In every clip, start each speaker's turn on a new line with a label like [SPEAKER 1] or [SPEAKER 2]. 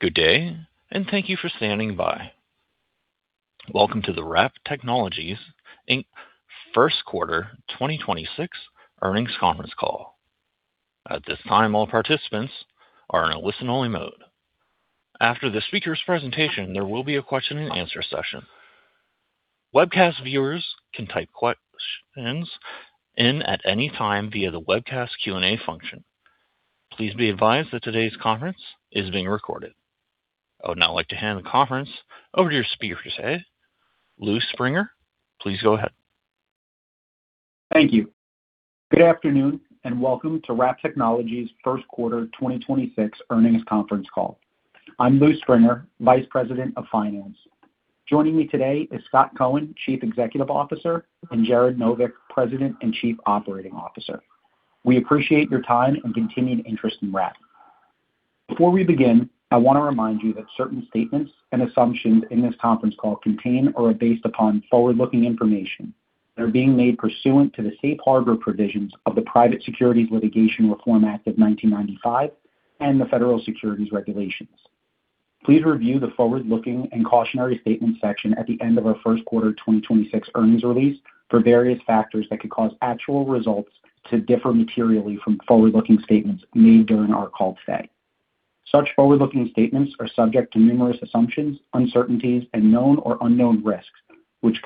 [SPEAKER 1] Good day, and thank you for standing by. Welcome to the Wrap Technologies Inc. First Quarter 2026 Earnings Conference Call. At this time, all participants are in a listen-only mode. After the speaker's presentation, there will be a Q&A session. Webcast viewers can type questions in at any time via the webcast Q&A function. Please be advised that today's conference is being recorded. I would now like to hand the conference over to your speaker today. Louis Springer, please go ahead.
[SPEAKER 2] Thank you. Good afternoon, welcome to Wrap Technologies First Quarter 2026 Earnings Conference Call. I'm Louis Springer, Vice President of Finance. Joining me today is Scot Cohen, Chief Executive Officer, and Jared Novick, President and Chief Operating Officer. We appreciate your time and continued interest in Wrap. Before we begin, I wanna remind you that certain statements and assumptions in this conference call contain or are based upon forward-looking information that are being made pursuant to the safe harbor provisions of the Private Securities Litigation Reform Act of 1995 and the Federal Securities regulations. Please review the Forward-Looking and Cautionary Statement section at the end of our first quarter 2026 earnings release for various factors that could cause actual results to differ materially from forward-looking statements made during our call today. Such forward-looking statements are subject to numerous assumptions, uncertainties, and known or unknown risks which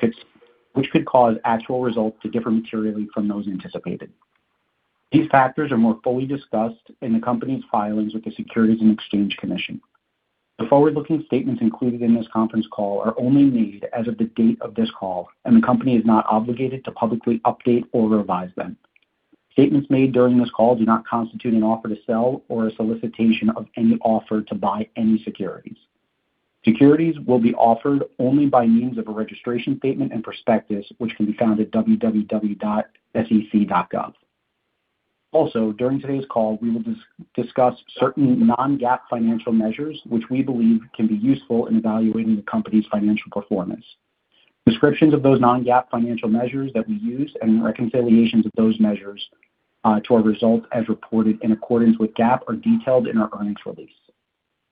[SPEAKER 2] could cause actual results to differ materially from those anticipated. These factors are more fully discussed in the company's filings with the Securities and Exchange Commission. The forward-looking statements included in this conference call are only made as of the date of this call. The company is not obligated to publicly update or revise them. Statements made during this call do not constitute an offer to sell or a solicitation of any offer to buy any securities. Securities will be offered only by means of a registration statement and prospectus, which can be found at www.sec.gov. During today's call, we will discuss certain non-GAAP financial measures which we believe can be useful in evaluating the company's financial performance. Descriptions of those non-GAAP financial measures that we use and reconciliations of those measures, to our results as reported in accordance with GAAP are detailed in our earnings release.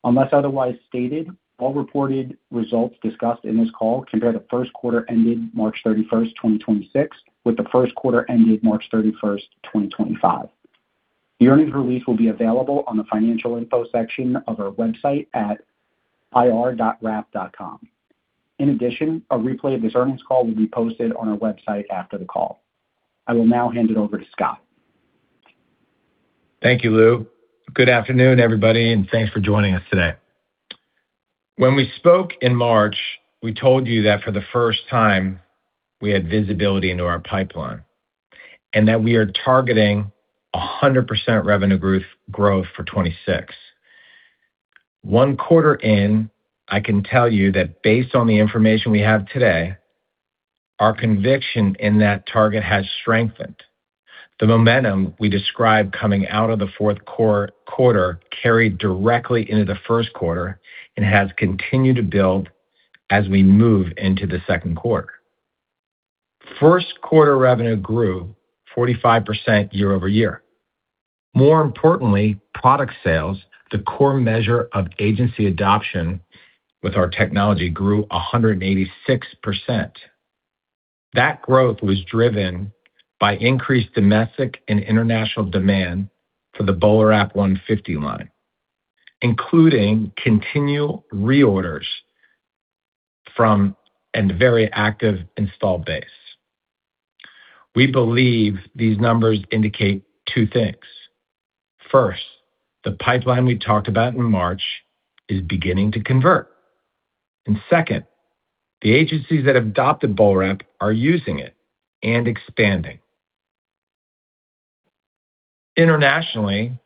[SPEAKER 2] Unless otherwise stated, all reported results discussed in this call compare the first quarter ended March 31, 2026 with the first quarter ended March 31, 2025. The earnings release will be available on the financial info section of our website at ir.wrap.com. In addition, a replay of this earnings call will be posted on our website after the call. I will now hand it over to Scot.
[SPEAKER 3] Thank you, Lou. Good afternoon, everybody, and thanks for joining us today. When we spoke in March, we told you that for the first time we had visibility into our pipeline and that we are targeting 100% revenue growth for 2026. One quarter in, I can tell you that based on the information we have today, our conviction in that target has strengthened. The momentum we described coming out of the fourth quarter carried directly into the first quarter and has continued to build as we move into the second quarter. First quarter revenue grew 45% year-over-year. More importantly, product sales, the core measure of agency adoption with our technology, grew 186%. That growth was driven by increased domestic and international demand for the BolaWrap 150 line, including continual reorders from and very active install base. We believe these numbers indicate two things. First, the pipeline we talked about in March is beginning to convert. Second, the agencies that have adopted BolaWrap are using it and expanding. Internationally,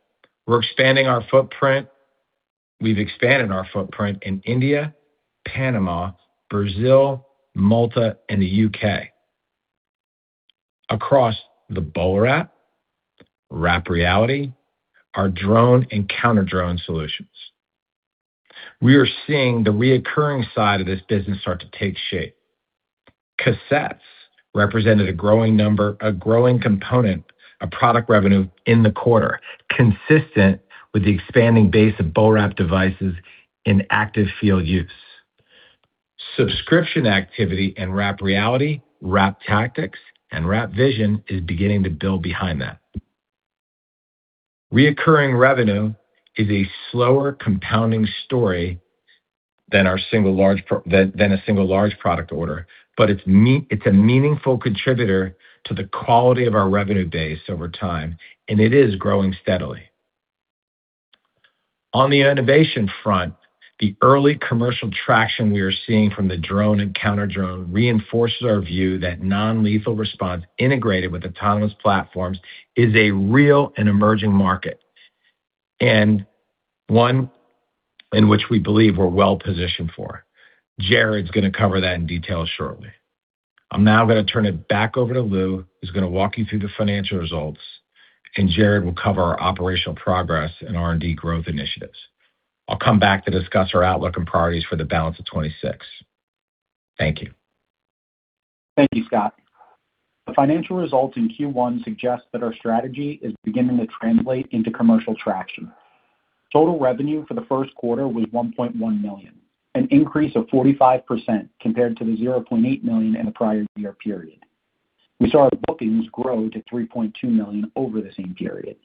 [SPEAKER 3] we're expanding our footprint. We've expanded our footprint in India, Panama, Brazil, Malta, and the U.K. Across the BolaWrap, Wrap Reality, our drone and counter-drone solutions, we are seeing the reoccurring side of this business start to take shape. Cassettes represented a growing number, a growing component of product revenue in the quarter, consistent with the expanding base of BolaWrap devices in active field use. Subscription activity in Wrap Reality, WrapTactics, and WrapVision is beginning to build behind that. Recurring revenue is a slower compounding story than our single large product order, but it's a meaningful contributor to the quality of our revenue base over time, and it is growing steadily. On the innovation front, the early commercial traction we are seeing from the drone and Counter-UAS reinforces our view that non-lethal response integrated with autonomous platforms is a real and emerging market, and one in which we believe we're well-positioned for. Jared's gonna cover that in detail shortly. I'm now gonna turn it back over to Lou, who's gonna walk you through the financial results. Jared will cover our operational progress and R&D growth initiatives. I'll come back to discuss our outlook and priorities for the balance of 2026. Thank you.
[SPEAKER 2] Thank you, Scot. The financial results in Q1 suggest that our strategy is beginning to translate into commercial traction. Total revenue for the first quarter was $1.1 million, an increase of 45% compared to the $0.8 million in the prior year period. We saw our bookings grow to $3.2 million over the same period.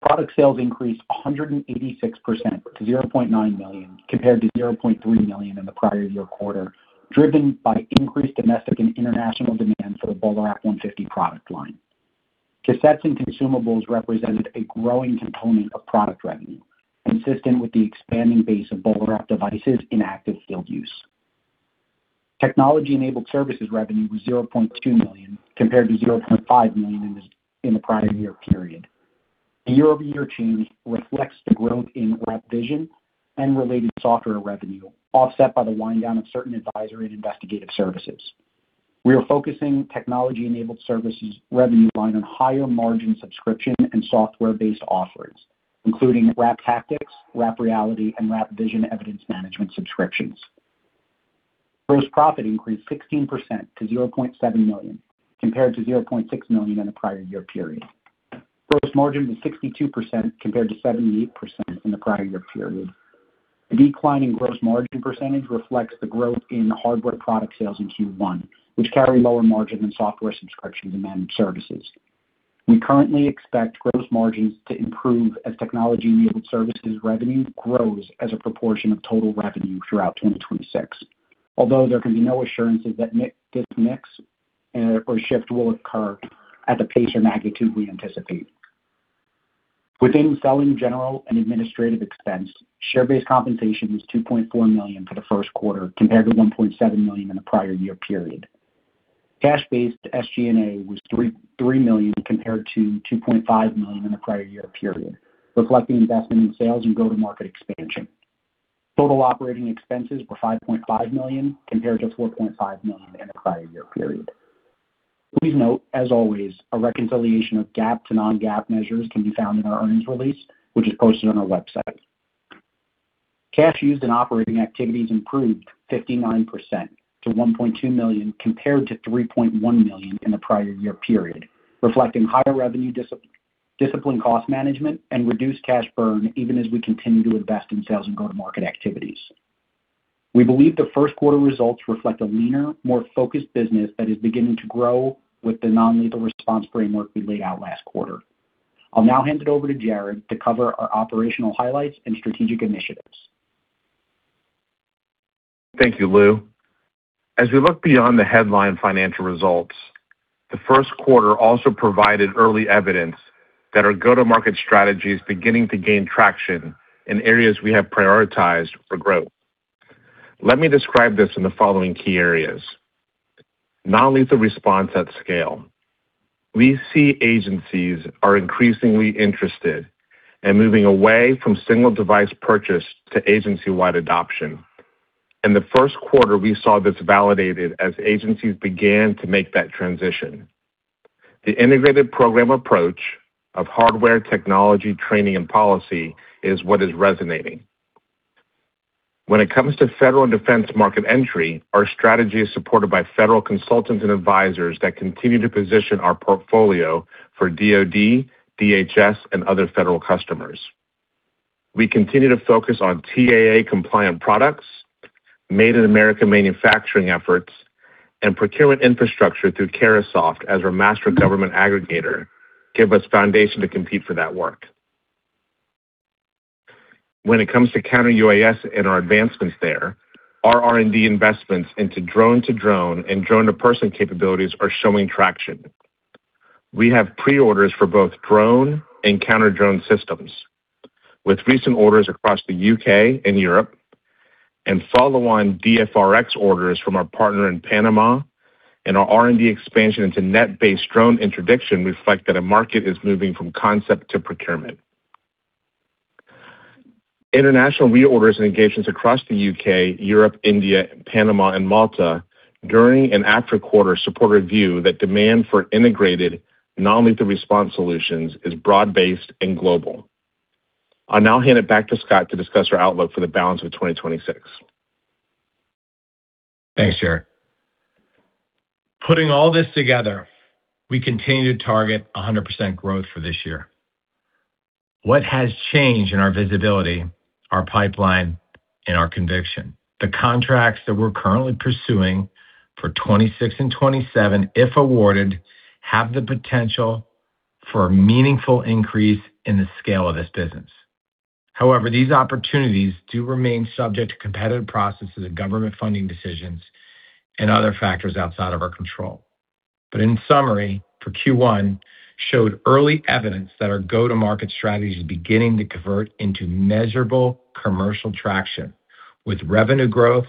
[SPEAKER 2] Product sales increased 186% to $0.9 million compared to $0.3 million in the prior year quarter, driven by increased domestic and international demand for the BolaWrap 150 product line. Cassettes and consumables represented a growing component of product revenue, consistent with the expanding base of BolaWrap devices in active field use. Technology-enabled services revenue was $0.2 million compared to $0.5 million in the prior year period. The year-over-year change reflects the growth in WrapVision and related software revenue, offset by the wind down of certain advisory and investigative services. We are focusing technology-enabled services revenue line on higher margin subscription and software-based offerings, including WrapTactics, Wrap Reality, and WrapVision evidence management subscriptions. Gross profit increased 16% to $0.7 million, compared to $0.6 million in the prior year period. Gross margin was 62% compared to 78% in the prior year period. The decline in gross margin percentage reflects the growth in hardware product sales in Q1, which carry lower margin than software subscription and managed services. We currently expect gross margins to improve as technology-enabled services revenue grows as a proportion of total revenue throughout 2026. Although there can be no assurances that this mix or shift will occur at the pace or magnitude we anticipate. Within Selling, General & Administrative expense, share-based compensation was $2.4 million for the first quarter compared to $1.7 million in the prior year period. Cash-based SG&A was $3 million compared to $2.5 million in the prior year period, reflecting investment in sales and go-to-market expansion. Total operating expenses were $5.5 million compared to $4.5 million in the prior year period. Please note, as always, a reconciliation of GAAP to non-GAAP measures can be found in our earnings release, which is posted on our website. Cash used in operating activities improved 59% to $1.2 million compared to $3.1 million in the prior year period, reflecting higher revenue disciplined cost management and reduced cash burn even as we continue to invest in sales and go-to-market activities. We believe the first quarter results reflect a leaner, more focused business that is beginning to grow with the non-lethal response framework we laid out last quarter. I'll now hand it over to Jared to cover our operational highlights and strategic initiatives.
[SPEAKER 4] Thank you, Lou. As we look beyond the headline financial results, the first quarter also provided early evidence that our go-to-market strategy is beginning to gain traction in areas we have prioritized for growth. Let me describe this in the following key areas. Non-lethal response at scale. We see agencies are increasingly interested in moving away from single device purchase to agency-wide adoption. In the first quarter, we saw this validated as agencies began to make that transition. The integrated program approach of hardware technology training and policy is what is resonating. When it comes to federal and defense market entry, our strategy is supported by federal consultants and advisors that continue to position our portfolio for DOD, DHS, and other federal customers. We continue to focus on TAA-compliant products, Made in America manufacturing efforts, and procurement infrastructure through Carahsoft as our master government aggregator, give us foundation to compete for that work. When it comes to Counter-UAS and our advancements there, our R&D investments into drone-to-drone and drone-to-person capabilities are showing traction. We have pre-orders for both drone and counter-drone systems, with recent orders across the U.K. and Europe, and follow on DFR-X orders from our partner in Panama, and our R&D expansion into net-based drone interdiction reflect that a market is moving from concept to procurement. International reorders and engagements across the U.K., Europe, India, Panama and Malta during and after quarter support our view that demand for integrated non-lethal response solutions is broad-based and global. I'll now hand it back to Scot to discuss our outlook for the balance of 2026.
[SPEAKER 3] Thanks, Jared. Putting all this together, we continue to target 100% growth for this year. What has changed in our visibility, our pipeline, and our conviction. The contracts that we're currently pursuing for 2026 and 2027, if awarded, have the potential for a meaningful increase in the scale of this business. These opportunities do remain subject to competitive processes and government funding decisions and other factors outside of our control. In summary, for Q1, showed early evidence that our go-to-market strategy is beginning to convert into measurable commercial traction with revenue growth,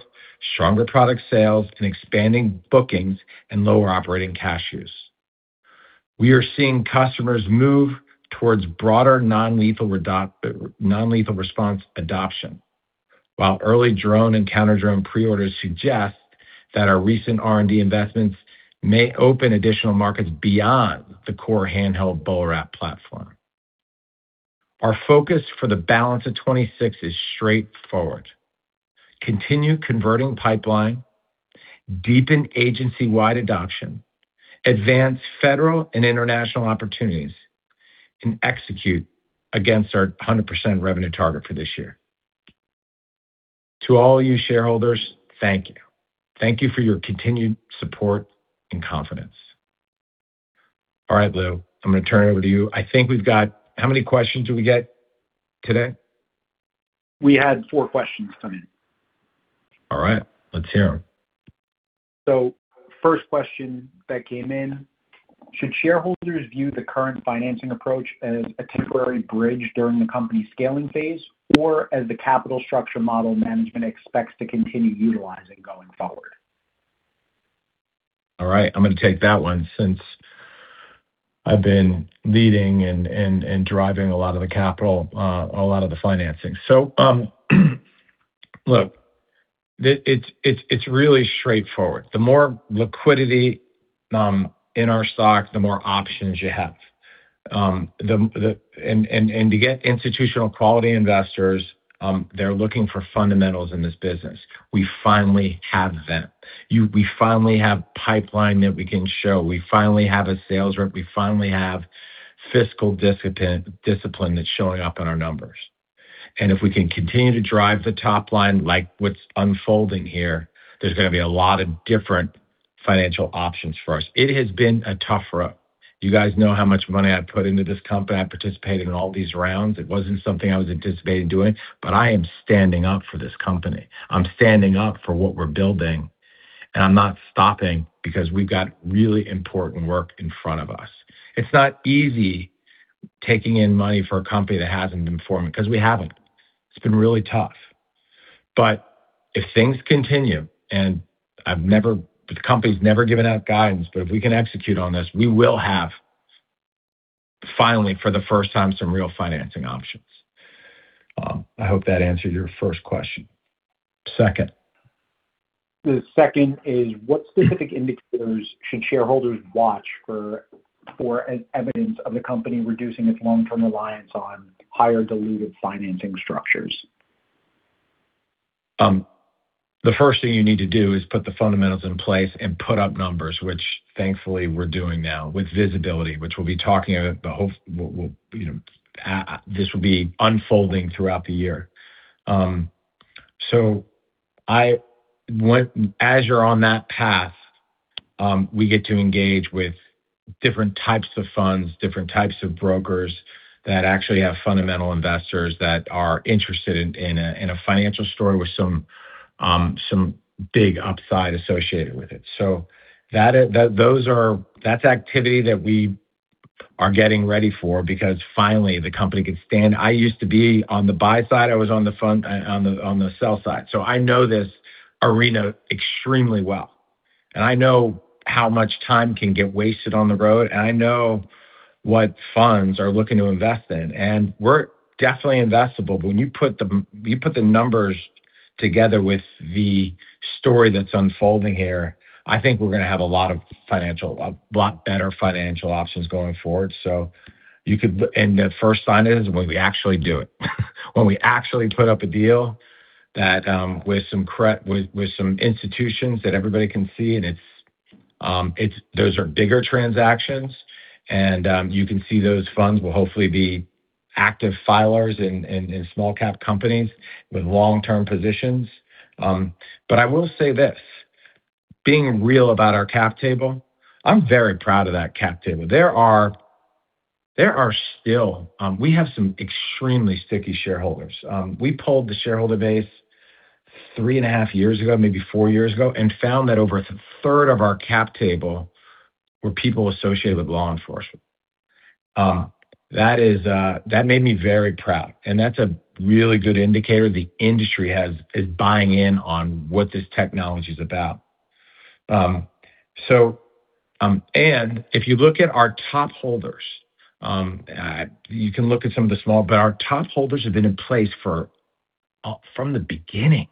[SPEAKER 3] stronger product sales, and expanding bookings and lower operating cash use. We are seeing customers move towards broader non-lethal response adoption, while early drone and counter-drone pre-orders suggest that our recent R&D investments may open additional markets beyond the core handheld BolaWrap platform. Our focus for the balance of 2026 is straightforward. Continue converting pipeline, deepen agency-wide adoption, advance federal and international opportunities, execute against our 100% revenue target for this year. To all you shareholders, thank you. Thank you for your continued support and confidence. All right, Lou, I'm gonna turn it over to you. I think we've got how many questions did we get today?
[SPEAKER 2] We had four questions come in.
[SPEAKER 3] All right, let's hear 'em.
[SPEAKER 2] First question that came in, should shareholders view the current financing approach as a temporary bridge during the company's scaling phase or as the capital structure model management expects to continue utilizing going forward?
[SPEAKER 3] All right, I'm gonna take that one since I've been leading and driving a lot of the capital, a lot of the financing. Look, it's really straightforward. The more liquidity in our stock, the more options you have. To get institutional quality investors, they're looking for fundamentals in this business. We finally have them. We finally have pipeline that we can show. We finally have a sales rep. We finally have fiscal discipline that's showing up in our numbers. If we can continue to drive the top line like what's unfolding here, there's gonna be a lot of different financial options for us. It has been a tough row. You guys know how much money I've put into this company. I participated in all these rounds. It wasn't something I was anticipating doing, but I am standing up for this company. I'm standing up for what we're building, and I'm not stopping because we've got really important work in front of us. It's not easy taking in money for a company that hasn't been performing because we haven't. It's been really tough. If things continue, the company's never given out guidance, but if we can execute on this, we will have, finally, for the first time, some real financing options. I hope that answered your first question. Second.
[SPEAKER 2] The second is what specific indicators should shareholders watch for evidence of the company reducing its long-term reliance on higher diluted financing structures?
[SPEAKER 3] The first thing you need to do is put the fundamentals in place and put up numbers, which thankfully we're doing now with visibility, which we'll be talking about, you know, this will be unfolding throughout the year. as you're on that path, we get to engage with different types of funds, different types of brokers that actually have fundamental investors that are interested in a financial story with some big upside associated with it. That's activity that we are getting ready for because finally the company can stand. I used to be on the buy side. I was on the, on the sell side. I know this arena extremely well, and I know how much time can get wasted on the road, and I know what funds are looking to invest in. We're definitely investable, but when you put the numbers together with the story that's unfolding here, I think we're gonna have a lot better financial options going forward. The first sign is when we actually do it, when we actually put up a deal that with some institutions that everybody can see, and it's Those are bigger transactions, and you can see those funds will hopefully be active filers in small cap companies with long-term positions. I will say this, being real about our cap table, I'm very proud of that cap table. We have some extremely sticky shareholders. We polled the shareholder base 3.5 years ago, maybe four years ago, and found that over 1/3 of our cap table were people associated with law enforcement. That made me very proud, and that's a really good indicator the industry is buying in on what this technology's about. If you look at our top holders, you can look at some of the small, but our top holders have been in place for from the beginning.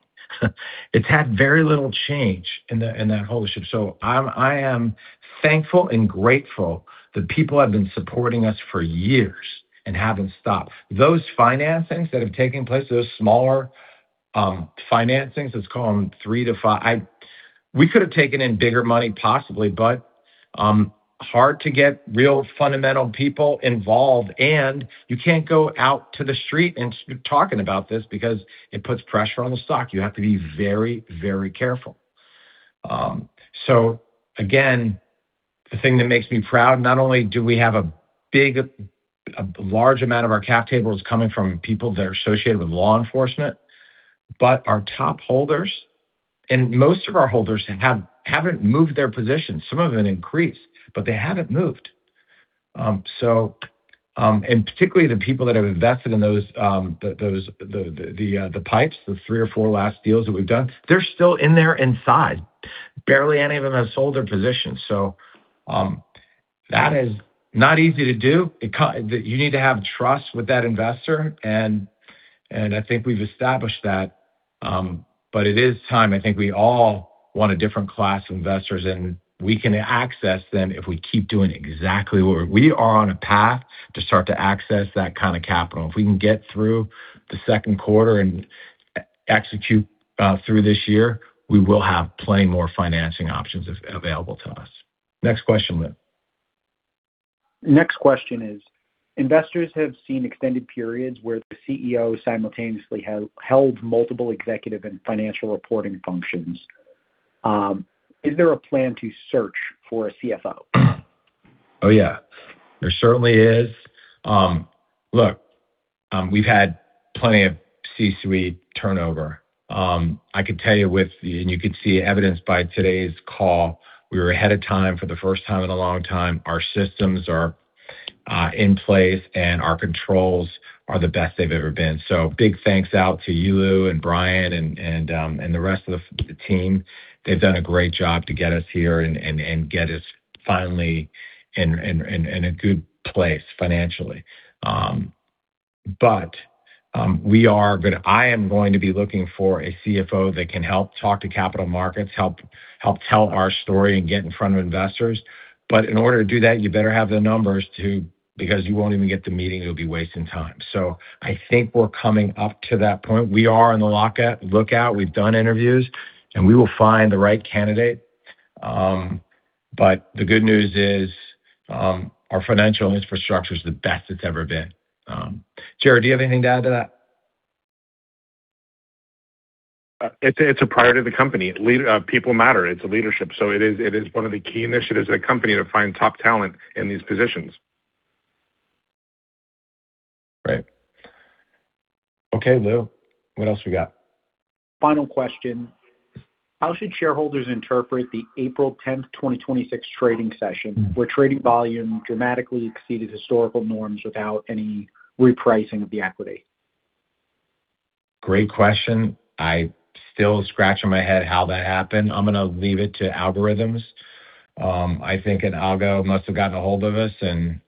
[SPEAKER 3] It's had very little change in that ownership. I am thankful and grateful that people have been supporting us for years and haven't stopped. Those financings that have taken place, those smaller financings, let's call them three to five, we could have taken in bigger money possibly, but hard to get real fundamental people involved. You can't go out to the street and talking about this because it puts pressure on the stock. You have to be very, very careful. Again, the thing that makes me proud, not only do we have a large amount of our cap table is coming from people that are associated with law enforcement, but our top holders, and most of our holders haven't moved their positions. Some of them have increased, but they haven't moved. Particularly the people that have invested in those, the PIPEs, the three or four last deals that we've done, they're still in there inside. Barely any of them have sold their positions. That is not easy to do. You need to have trust with that investor, and I think we've established that. It is time. I think we all want a different class of investors, and we can access them if we keep doing exactly what we. We are on a path to start to access that kinda capital. If we can get through the second quarter and execute through this year, we will have plenty more financing options available to us. Next question, Louis.
[SPEAKER 2] Next question is, investors have seen extended periods where the CEO simultaneously held multiple executive and financial reporting functions. Is there a plan to search for a CFO?
[SPEAKER 3] Oh, yeah. There certainly is. Look, we've had plenty of C-suite turnover. I could tell you, and you could see evidenced by today's call, we were ahead of time for the first time in a long time. Our systems are in place, and our controls are the best they've ever been. Big thanks out to you, Lou, and Brian, and the rest of the team. They've done a great job to get us here and get us finally in a good place financially. I am going to be looking for a CFO that can help talk to capital markets, help tell our story and get in front of investors. In order to do that, you better have the numbers to because you won't even get the meeting. It'll be wasting time. I think we're coming up to that point. We are on the lookout. We've done interviews, and we will find the right candidate. The good news is, our financial infrastructure is the best it's ever been. Jared, do you have anything to add to that?
[SPEAKER 4] It's a priority of the company. People matter. It's leadership. It is one of the key initiatives of the company to find top talent in these positions.
[SPEAKER 3] Right. Okay, Louis. What else we got?
[SPEAKER 2] Final question. How should shareholders interpret the April 10, 2026 trading session, where trading volume dramatically exceeded historical norms without any repricing of the equity?
[SPEAKER 3] Great question. I'm still scratching my head how that happened. I'm gonna leave it to algorithms. I think an algo must have gotten a hold of us and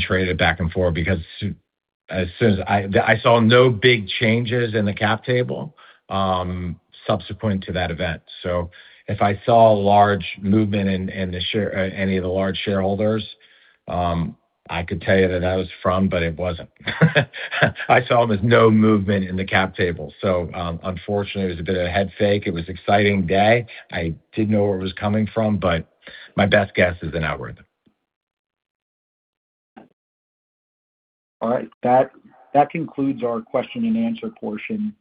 [SPEAKER 3] traded back and forth because as soon as I saw no big changes in the cap table subsequent to that event. If I saw a large movement in the share any of the large shareholders, I could tell you that that was from, but it wasn't. I saw there was no movement in the cap table. Unfortunately, it was a bit of a head fake. It was exciting day. I didn't know where it was coming from, but my best guess is an algorithm.
[SPEAKER 2] All right. That concludes our Q&A portion.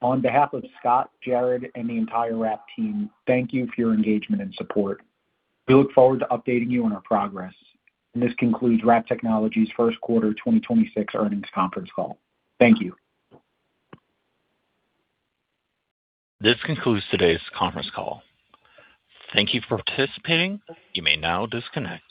[SPEAKER 2] On behalf of Scot, Jared, and the entire Wrap team, thank you for your engagement and support. We look forward to updating you on our progress. This concludes Wrap Technologies' first quarter 2026 earnings conference call. Thank you.
[SPEAKER 1] This concludes today's conference call. Thank you for participating. You may now disconnect.